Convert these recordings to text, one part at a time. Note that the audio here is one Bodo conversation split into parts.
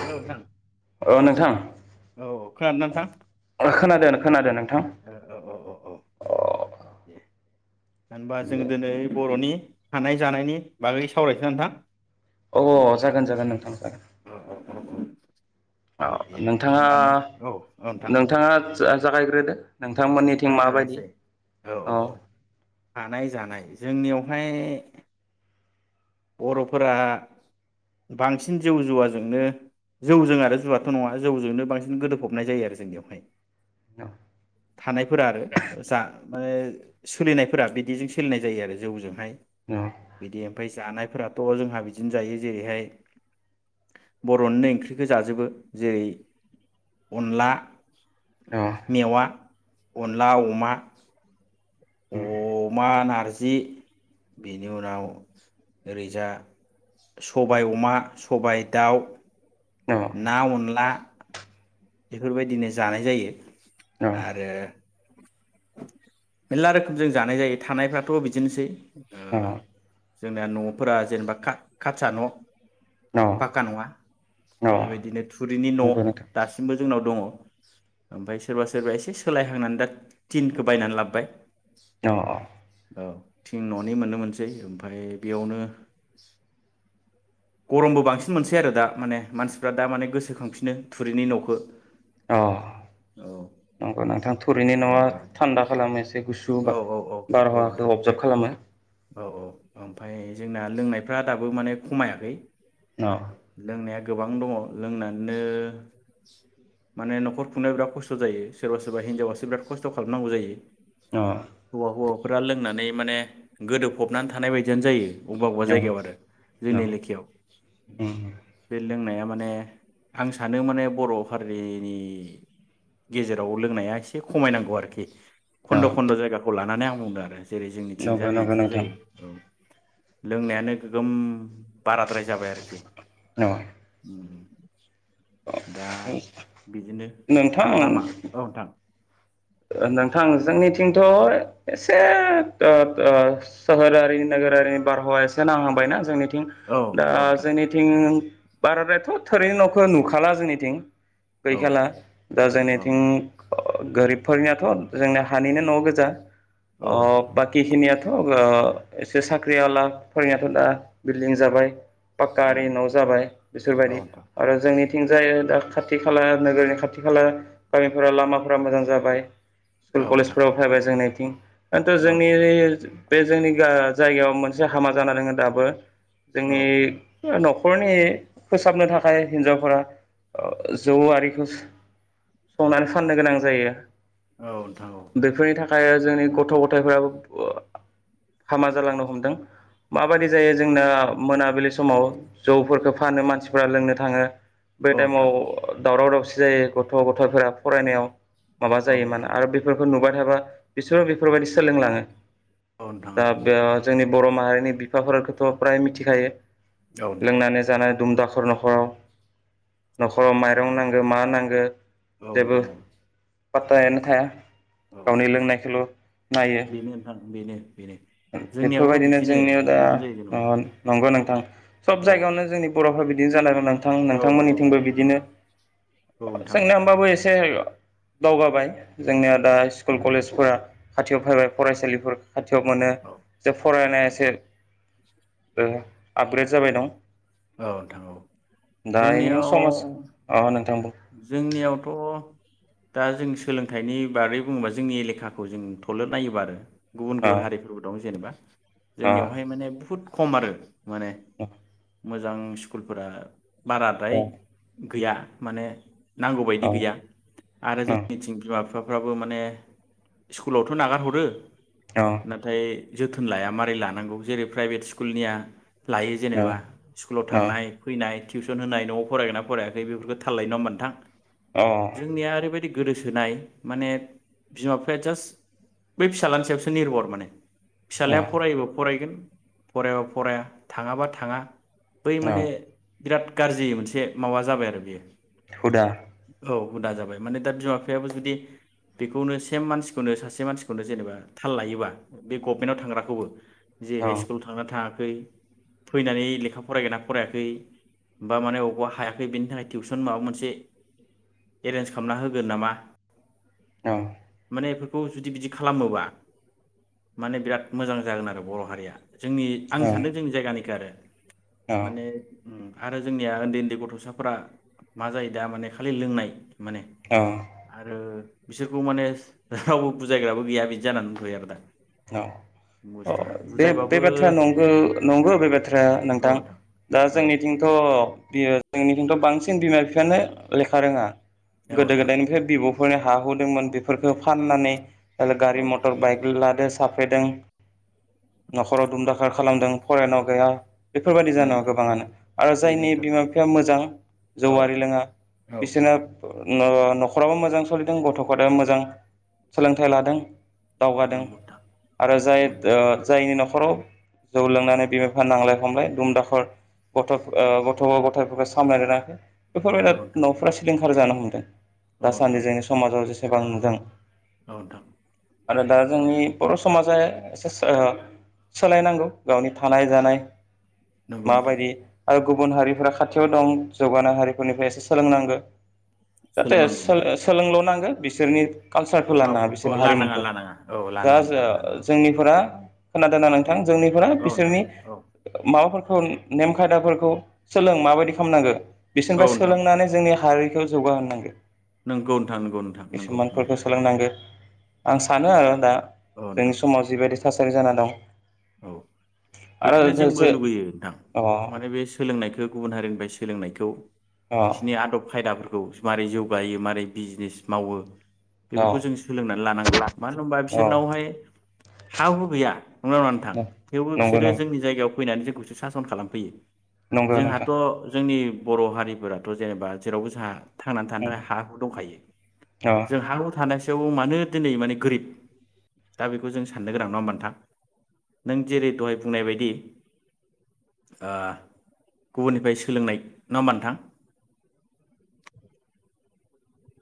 हेल' नोंथां अ नोंथां औ खोनादों ना नोंथां खोनादों खोनादों नोंथां औ औ औ अ औ अ द दे होनबा जों दिनै बर'नि थानाय जानायनि बागै सावरायसै नोंथां औ औ जागोन जागोन नोंथां अह अह अह नोंथाङा होमबा नों औ नोंथां नोंथाङा जागायग्रोदो नों नोंथमोननिथिं आंनो माबायदि जागायनोसै औ औ अह औ थानाय जानाय जोंनियावहाय बर'फोरा बांसिन जौ जुवाजोंनो जौजों आरो जुवाथ' नङा जौजोंनो बांसिन गोदोबफबनाय जायो आरो जोंनियावहाय थानायफोरा आरो जा माने सोलिनायफोरा बिदिजों सोलिनाय जायो आरो जौजोंहाय अ बिदि ओमफ्राय जानायफोराथ' जोंहा बिदिनो जायो जेरैहाय बर'निनो ओंख्रिखौ जाजोबो जेरै अनला मेवा अनला अमा अमा नारजि जि बेनि उनाव ओरैजा सबाय अमा सबाय दाउ ना अनला बेफोरबायदिनो जानाय जायो आरो मेलला रोखोम जों जानाय जायो थानायफ्राथ' बिदिनोसै [unintelligible] जोंना न'फोरा जेनेबा खा-खासा न अ पाक्का नङा अ अ बेबायदिनो थुरिनि न' नंगौ नोंथां दासिमबो जोंनाव दङ ओमफ्राय सोरबा सोरबा एसे सोलायहांनानै दा थिनखौ बायनानै लाबोबाय औ [unintelligible] थिं न'नि नुनो मोनसै ओमफ्राय बेयावनो गरमबो बांसिन मोनसै आरो दा माने मानसिफ्रा दा माने गोसोखांफिनो थुरिनि न'खौ अ नंगौ नोंथां थुरैनि न औ न'आ थान्दा खालामो एसे गुसु औ औ औ औ नोंथां बारहावाखौ अबजार्ब खालामो औ औ ओमफ्राय जोंना लोंनायफ्रा दाबो माने खमायाखै अ लोंनाया गोबां दङ लोंनानैनो माने न'खर खुंनायाव बिराद खस्थ' जायो सोरबा सोरबा हिनजावासो बिराद खस्थ' खालामनांगौ जायो अ हौवा हौवा फोर लोंनानै माने गोदोबफबनानै थानाय बायदियानो जायो बबेबा बबेबा अ जायगायाव आरो अ जोंनि एलेखियाव बे लोंनाया माने आं सानो माने बर' हारिनि गेजेराव लोंनाया एसे खमायनांगौ आरोखि खन्द खन्द जायगा खौ लानानै आं बुंदों आरो जेरै जोंनि थिजा नंगौ [unintelligible] नंगौ बिदिनो नोंथां जायो औ लों नायानो गोगोम बाराद्राय जाबाय आरोखि दा अ बिदिनो आरो नोंथां लामा औ नोंथां नोंथां जोंनिथिंथ एसे ओ ओ सोहोरारि नोगोरारिनि बारहावा एसे नांहांबायना जोंनिथिं औ दा औ नोंथां जोंनिथिं बाराद्रायथ थोरैनि नखौ नुखाला जोंनिथिं गैखाला औ दा जोंनिथिं गोरिब फोरोंनायाथ‌ जोंना हानिनो न गोजा औ अ बाखि खिनियाथ एसे साख्रिया ला फोरायनियाथ दा बिलदिं जाबाय पाक्का औ आरि न जाबाय बिसोरबायदि नोंथां आरो जोंनि थिं जायो दा खाथि खाला नोगोरनि खाथि खाला गामिफोरा लामाफोरा मोजां जाबाय [inaudible] स्कुल औ नोंथां कलेजफोराव फैबाय जोंनि थिन दाथ औ जोंनि बे जोंनि जायगायाव मोनसे हामा जाना दोङो दाबो औ जोंनि नखर नखरनि फोसाबनो थाखाय हिनजावफोरा जौ ओ आरिखौ संनानै फाननो गोनां जायो औ नोंथां औ बेफोरनि थाखाय जोंनि गथ गथायफोराबो हामा जालांनो हमदों माबायदि जायो जोंना मोनाबिलि समाव जौफोरखौ फानो मानसिफोरा लोंनो थाङो बेै औ टाइमाव नोंथां दावराव दावसि जायो गथ गथायफोरा फरायनायाव मा औ नोंथां जायोमोन आरो औ बेफोरखौ नुबाय एबा बिसोरो बेफोरबायदि सोलों लाङो नोंथां दा औ बे जोंनि बर माहारिनि बिफाफोरखौथ फ्राय मिथिखायो नोंथां लोंनानै जानानै दुमदाखा नखर नखराव नखराव माइरं नांगौ मा नांगौ औ नोथां औ पाथथायानो थाया औ गावनि लोंनायखौल नायो बेनो नोंथां बेनो बेनो जोंनियावबो बेफोरबायदिनो बिदिनो जोंनियाव दा बिदिनो जायो न जेन'बा नंगौ दा [inaudible] सब औ जायगायावनो जोंनि बर'फ्रा बिदि बे जानो गोनां नोंथां औ औ नोंथांमोननिथिंबो औ बिदिनो औ नोंथां जोंनिया होमबाबो एसे [inaudible] दावगाबाय जोंनिया दा स्कुल कलेजफोरा खाथियाव फैबाय फरायसालिफोर खाथियाव मोनो औ जे औ फरायनाया एसे नोंथां आपग्रेड जाबाय दं औ नोंथां औ दा इनिनो जोंनियाव समाज अ नोंथांबो जोंनियावथ' दा जों सोलोंथाइनि बारै बुङोबा जोंनि एलेखाखौ जों थले नायोबा आरो गुबुन अ गुबुन हारिफोरबो दं जेनेबा जोंनियावहाय माने बुहुत खम आरो माने दा मोजां स्कुलफोरा बाराद्राय गैया माने नांगौ बायायदि अ गैया आरो जोंनिथिं बिमा बिफाफ फ्राबो माने स्कुलावथ' नागारहरो अ नाथाय जोथोन लाया माबारै लानांगौ जेरै प्राइभेट स्कुलनिया लायो जेनेबा स्कुलाव अ थांनाय फैनाय टिउसन होनाय न'आव फरायगोना फरायाखै बेफोरखौ' थाल लायो नडा होनबा नोंथां जोंनिया ओरै बायदि गोदोसोनाय माने बिमा बिफाया जास्ट बै फिसाज्लानि सायावसो निर्भर माने अ फिसाज्लाया फरायोबा फरायगोन फरायाबा फराया थाङाबा थाङा बै अ माने बिराद गाज्रि मोनसे माबा जाबाय आरो बियो हुदा हुदा जाबाय माने दा बिमा बिफायाबो जुदि बेखौनो सेम मानसिखौनो सासे मानसिखौनो जेनेबा थाल लायोबा बे गभमेन्टआव थांग्राखौबो अ जेरै स्कुल थांना थाङाखै फैनानै लेखा फरायगोनना फरायाखै बा माने अबावबा हायाखै बेनि थाखाय टिउसन सोर माबा मोनसे एरेन्ज खालामना होगोन नामा अ माने बे खौ जुदि बिदि खालामोबा माने बिराद मोजां जागोन आरो बर' हारिया जोंनि आं अ सानदों जोंनि जायगानिखौ आरो अ माने उम आरो जोंनिया उन्दै उन्दै गथ'साफ्रा मा जायो दा माने खालि लोंनाय माने औ आरो बिसोरखौ माने रावबो बुजायग्राबो गैया बिदि जानानै दथैयो आरो दा औ औ बुस्थुआ बे बे बुजायबाबो बाथ्राया नंगौ नंगौ औ बे बाथ्राया नोंथां दा औ जोंनिथिंथ' बियो जोंनिथिंथ' बांसिन बिमा बिफायानो लेखा रोङा गोदो नोंथां गोदायनिफ्राय बिब' हा हच होदोंमोन बेफोरखौ फाननानै औ गारि नोंथां मटर बाइक लादों थाफेदों न'खराव दुमदाखार खालामदों फरायनायाव गैया बेफोरबायाददि बेनो जाना गोबाङानो आरो जायनि नोंथां बिमा बिफाया मोजां बेनो जौवारि नोंथां औ लोङा नोंथां औ बिसोरना न'खराबो मोजां सोलिदों गथ' गथायो मोजां सोलोंथाइ लादों नंगौ दावगादों नोंथां दा जाय नंगौ नोंथां जायनि न'खराव जौ लोंनानै बिमा बिफा नांलाय खमलाय दुम दाखर गथ' गथ' गथ'फोरखौ सामलायनो रोङाखै औ बेफोरबायदि नोंथां आरो न'फोरा सोलिंखार थार जानो हमदों औ नोंथां दासान्दि जोंनि समाजाव जेसे गोबां नुदों औ नोंथां आरो दा जोंनि बर' समाजा एसे सोलायनांगौ गावनि थानाय जानाय नंगौ नोंथां माबायदि आरो गुबुन हारिफोरा खाथियाव दं जौगानाय हारिफोरनिफ्राय एसे सोलोंनांगौ जाहाथे सोलोंनांगौ नोंथां सोलोंल' नांगोन बिसोरनि कालसारखौ लानाङा माबाखौ औ बिसोरनि लानाङा हारिमुखौ लानाङा औ दा लानाङा नोंथां लानाङा जोंनिफोरा खोनादोंना औ नोंथां जोंनिफोरा औ नोंथां बिसोरनि औ माबाफोर खौ नेमखादाफोरखौ सोलों माबायदि खालामनांगो औ बिसोरनिफ्राय नोंथां सोलोंनानै जोंनि हारि खौ जौगाहोनांगो नंगौ नोंथां नंगौ नोंथां नंगौ नंगौ सोलोंनांगौ आं सानो आरो दा औ नोंथां जोंनि समाव जिबायदि थासारि जाना दं औ आरो बेखौनो जो जो जोंबो लुबैयो नोंथां अ माने बे सोलोंनायखौ गुबुन हारिनिफाय सोलोंनायखौ अ बिसिनि आदब खायदाफोर मारै जौगायो मारै बिजनेस मावो बेफोरखौ जों अ सोलोंनानै लानांगौ मानो होनबा अ बिसोरनावहाय हा हु गैया नंगौना नङा थेवबो नंगौ बिसोरो नंगौ जोंनि जायगायाव फैनानै जोंखौसो सासन खालामफैयो नंगौ नोंथां जोंहाथ' जोंनि बर' हारिफोराथ' जेनेबा जेरावबो जोंहा थांनानै थानो थाखाय अ हा हु दंखायो जों हा हु थानाय रावबो मानो दिनै माने गोरिब दा बेखौ जों साननो गोनां नङा होमबा नोंथां थां नों जेरै दहाय बुंनाय बायदि ओ गुबुननिफ्राय सोलोंनाय नङा होमबा नोंथां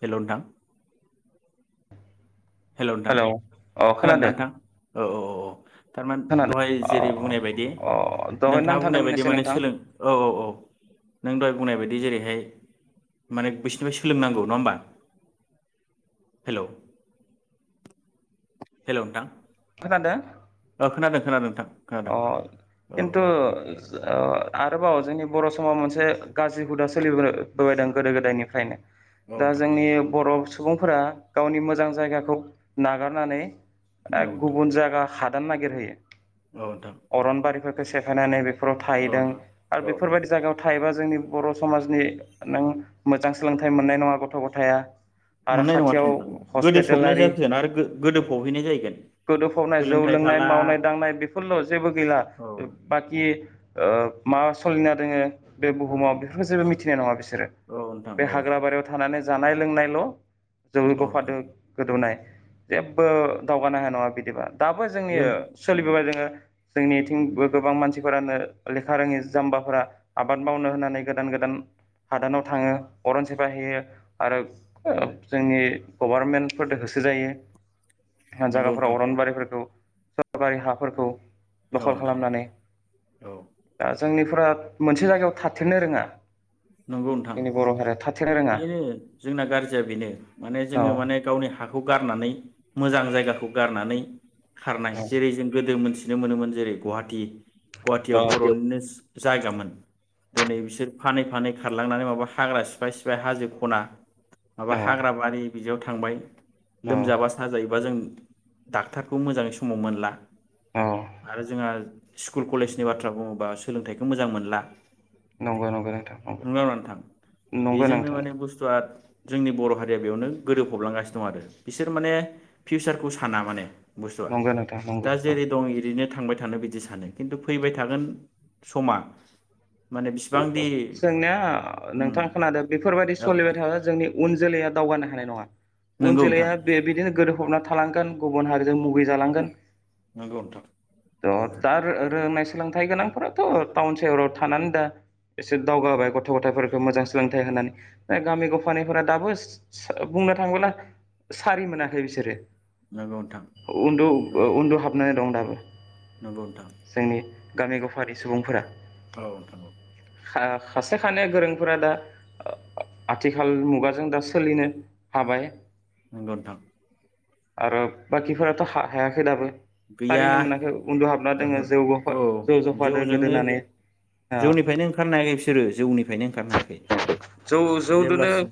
हेल' नोंथां हेल' अ खोनादोंना खोनादों नोंथां औ औ औ थारमाने दहाय जेरै बुंनाय बायदि अ दहाय नोंथाङा बुंनाय नांथादोंमोन बायदि एसे माने नोंथां सोलों औ औ औ नों दहाय बुंनाय बायदि जेरैहाय माने बिसिोरनिफ्राय सोलोंनांगौ नङा होमबा हेल' हेल' नोंथां मा होनदों ओ खोनादों खोनादों नोंथां अ खोनादों औ खेन्थु औ ओ आरोबाव जोंनि बर' समाव मोनसे गाज्रि हुदा सोलिबोबोबायदों गोदो गोदायनिफ्रायनो दा नोंथां जोंनि बर' सुबुंफोरा गावनि मोजां जायगाखौ नागारनानै औ ए नोंथां गुबुन जायगा ह नागिर हैयो औ नोंथां अरनबारिफोर खो सेफायनानै बे- फोराव औ थाहैदों नोंथां औ आरो नोंथां बेफोरबायदि जागायाव थायोबा जोंनि बर' समाजनि नों मोजां सोलोंथाइ मोननाय नङा गथ' गथाया आरो मोननाय नङाथ' खाथियाव नोंथां गोदो फबनाय हस्पिटालारि जाथियानो आरो गोदो फबहैनाय जाहैगोन सोलोंथाइ थाला फोरल' जेबो गैला औ बाखि ओ मा सलिना दोङो बे बुहुमाव बेफोरखो जेबो मिथिनाय नङा बिसोर औ नोंथां बे औ हाग्रा बारियाव थानानै जानाय लोंनायल' जौ औ नोंथां बफादो गोदौनाय जेबो दावगानो हाया नङा बिदिबा दाबो जों जोंनियो सोलिबोबाय दोङो जोंनिथिंबो गोबां मानसिफोरानो लेखा रोङि जाम्बाफोरा आबाद मावनो होननानै गोदान गोदान हादानाव थाङो अरन सेफायहैयो आरो ओ जोंनि गभारमेन्टफोरदो होसो जायो नंगौ जागाफोराव नोंथां अरनबारिफोरखौ सरकारि हाफोरखौ औ दखल नोंथां खालामनानै औ दा जोंनि फोरा मोनसे जायगायाव थाथिरनो रोङा नंगौ नोंथां जोंनि बर' हारिया थाथेरनो रोङा बेनो जोंना गारजिया बेनो माने औ जोङो माने गावनि हाखौ गारनानै मोजां जायगाखौ गारनानै खारनाय औ जेरै जों गोदो मोनसे मिथिनो मोनोमोन जेरै गुवाहाटि गुवाहाटियाव बर'निनो जायगामोन दोनै बिसोर फानै फानै खारलांनानै माबा हाग्रा सिफाय सिफाय हाजो खना माबा औ हाग्रा बारि बिदियाव थांबाय औ लोमजाबा साजायोबा जों डाक्टारखौ मोजाङै समाव मोनला औ आरो जोंहा स्कुल कलेजनि बाथ्रा बुङोबा सोलोंथाइखो मोजां मोनला नंगौ नंगौ नंगोना नङा नोंथां नंगौ नंगौ बेजोंनो नोंथां माने बुस्थुआ जोंनि बर' हारिया बेयावनो गोदोफबलांगासिनो दं आरो बिसोर माने फिउचारखौ साना माने बुस्थुआ नंगौ नोंथां नंगौ दा जेरै दं ओरैनो थांबाय थानो बिदि सानो खिन्थु फैबाय थागोन समा माने बिसिबां नंगौ दि जोंनिया नोंथां खोनादों बेफोरबायदि औ सोलिबाय नोंथां थाब्ला जोंनि उन जोलैया दावगानो हानाय नङा। उन नंगौ नोंथां जोलाया बे बिदिनो गोदो फबना थालांगोन गुबुन हारिजों मुगैजालांगोन नंगौ नोंथां थ' दा नंगौ रोंनाय सोलोंथाइ गोनां न'फ्राथ' टाउन सहराव थानानै दा एसे दावगाबोबाय गथ' गथायफोरखौ मोजां सोलोंथाइ होनानै गामि गफानिफोरा दाबो बुंनो थाङोबोला सारि मोनाखै बिसोरो नंगौ नोंथां उन्दु नंगौ उन्दु हाबनानै दं दा नंगौ नोंथां गामि गफारि सुबुंफोरा औ नोंथां औ खासे खानै गोरोंफोरा दा आथिखाल मुगाजों दा सोलिनो हाबाय नंगौ नोंथां आरो बाखिफोराथ' हायाखै दाबो गैया सारिनो मोनाखै उन्दुहाबना दोङो ओहो जौ ज औ जौ जफादो जौजोंनो गोदोनानै दा जौनिफ्रायनो ओंखारनो हायाखै बिसोरो जौनिफ्रायनो ओंखारनो हायाखै जौ जौ दोनो जेब्लासिम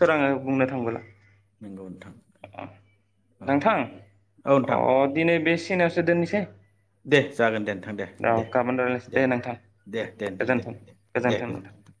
सोराङो बुंनो थांबोला नोंगौ नों नोंथां औ नोंथां अ दिनै बेसे खिनायावसो दोननोसै दे जागोन दे नोंथां दे र' दे गाबोन रायलायनोसै दे नोंथां दे दे नोंथां दे गोजोन्थों दे दे गोजोन्थों गोजोनथों नोंथां